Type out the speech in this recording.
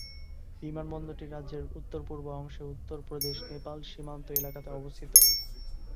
বিমানবন্দরটি রাজ্যের উত্তর-পূর্ব অংশে উত্তরপ্রদেশ- নেপাল সীমান্ত এলাকাতে অবস্থিত।